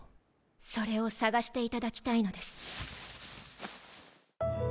それを捜していただきたいのです。